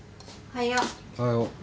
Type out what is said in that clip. おはよう。